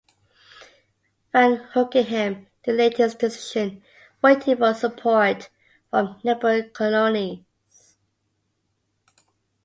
Van Hoogenheim delayed his decision waiting for support from neighboring colonies.